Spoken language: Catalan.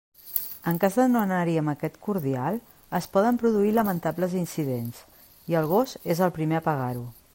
En cas de no anar-hi amb aquest cordial, es poden produir lamentables incidents, i el gos és el primer a pagar-ho.